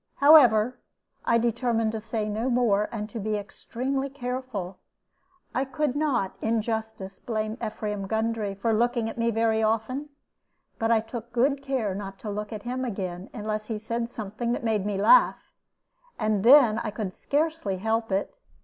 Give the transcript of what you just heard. However, I determined to say no more, and to be extremely careful. I could not in justice blame Ephraim Gundry for looking at me very often. But I took good care not to look at him again unless he said something that made me laugh, and then I could scarcely help it.